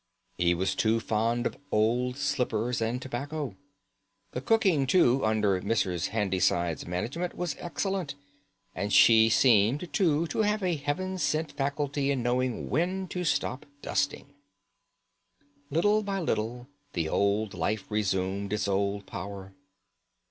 He was too fond of old slippers and tobacco. The cooking, too, under Mrs. Handyside's management was excellent, and she seemed, too, to have a heaven sent faculty in knowing when to stop dusting. Little by little the old life resumed its old power.